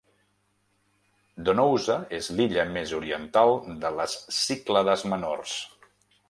Donousa és l'illa més oriental de les Cíclades menors.